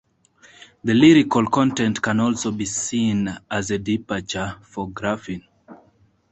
The lyrical content can also be seen as a departure for Graffin.